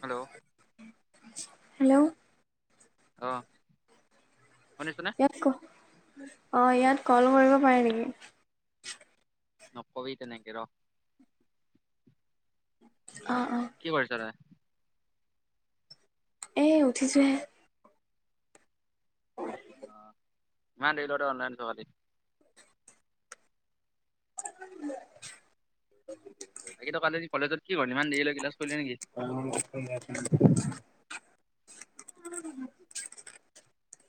Hello hello আহ ইয়াত অ', ইয়াত কল কৰিব পাৰে নেকি? নকবি তেনেকে ৰ অ অ কি কৰিছ তই এ উঠিছোহে, তোমাৰ দেটতে অনলাইনটো কাটিম [inaudible] বাকী তো কালি কলেজ কি কৰিলি। ইমান দেৰি লৈ থাকিলা ম [inaudible] উ [inaudible]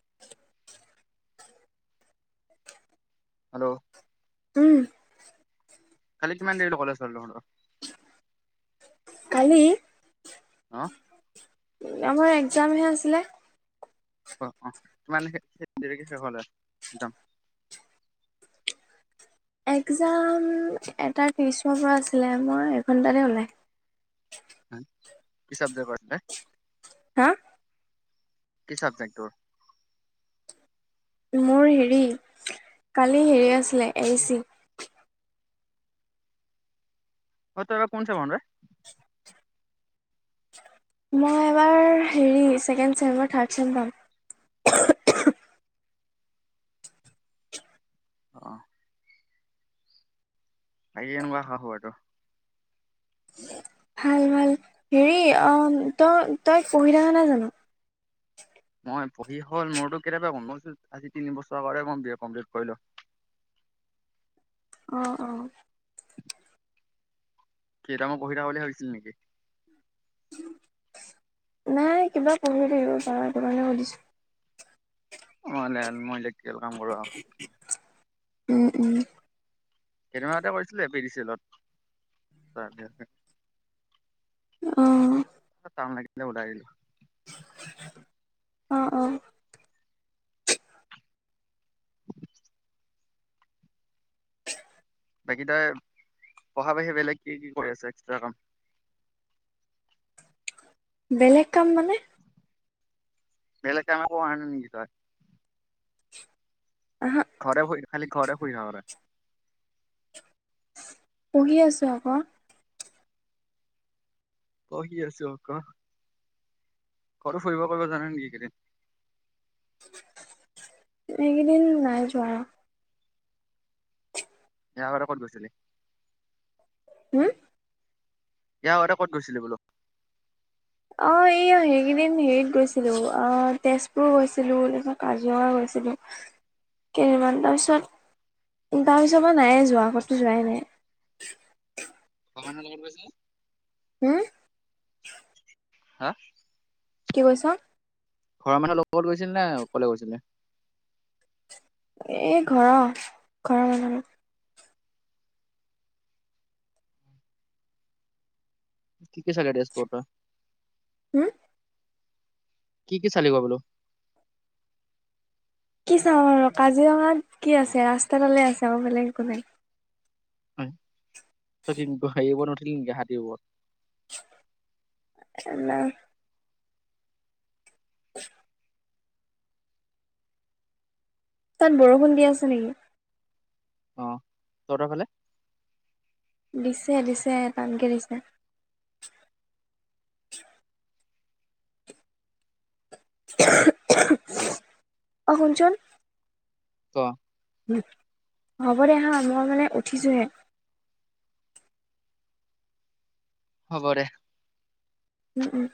হেল্ল' উম। কলিক মানে এই কলেজল তহঁতৰ? কালি অ', আমাৰ এক্জামহে আছিলে। অ-অ তমান দেৰিকে [unintelligible] একজাম? [inaudible] একজাম এটা ত্ৰিছৰ পৰা আছিলে। মই এঘণ্টাতে ওলাই কি চাবজেক্টৰ আছিলে? হা, কি চাবজেক্টৰ মোৰ হেৰি কালি হেৰি আছিলে এ ই চি। অঁ তই এইবা কোন চেমৰ এ মই এবাৰ হেৰি ছেকেণ্ড চেম থাৰ্ড চেম পাম [inaudible] অ' বাকী কেনেকুৱা খা খবৰ তোৰ ভাল-ভাল হেৰি অ তই তই পঢ়ি থকা নাই জানো মই পঢ়ি হ'ল মোৰতো কেতিয়াবা গম গাইছো আজি তিন বছৰৰ কাৰ কম বি এ কমপ্লিট কৰিলো। [inaudible] অ', অ' কেইটা মোক পঢ়ি থাবলে ভাবিছিল নেকি? নাই কিবা পঢ়িব লাগিব তাৰ কাৰণে সুধিছ মই লাইনত ইলকটিকেল কাম কৰো উম-উম কেইদিন মানতে কৰিছিলে এপিদিছিয়েলত অ'। [unintelligible] অ' অ'। [inaudible] [inaudible] বাকী তই পঢ়া বাহিৰে বেলেগ কি কি কৰি আছ এক্সট্ৰা কাম। [inaudible] বেলেগ কাম মানে বেলেগ কাম একো কৰা নাই নিকি তই। আহা ঘৰতে শুই খালি ঘৰতে শুই থাক তই পঢ়ি আছো আকৌ। পঢ়ি আছো ক কতো ফুৰিব কৰিব যোৱা নাই নেকি এইকেইদিন? এইকেইদিন নাই যোৱা। এবাৰ ক'ত গৈছিলি? হম ইয়াৰ আগতে ক'ত গৈছিলি বোলো। অঁ এইয়া সেইকেইদিন হেৰিত গৈছিলোঁ আ' তেজপুৰ গৈছিলোঁ তাৰপাছত কাজিৰঙা গৈছিলোঁ। [inaudible] কেইদিনমান পিছত তাৰ পিছৰ পৰা নাই যোৱা আগতো যোৱাই নাই। ঘৰৰমানুহ লগত গৈছেনে? হম হা! কি কৈছা। ঘৰৰ মানুহ লগত গৈছিল নে অকলে গৈছিলি? এ ঘৰ ঘৰৰ মানুহৰ [unintelligible] হুম কি কি চালিব বোলো? কি চাওঁ আৰু কাজিৰঙাত কি আছে ৰাস্তাডালে আছে আৰু বেলেগ একো নাই। হয়, তই হেৰি উপৰত নুঠিলি নেকি হাতীৰ উপৰত। এ নাই [unintelligible] তাত বৰষুণ দিয়া আছে নেকি? অ, তহঁতৰ ফালে দিছে দিছে টানকে দিছে। অ' শুনচোন অ'। হ'ব দে হা মই মানে উঠিছোহে। হ'ব দে। উম উম।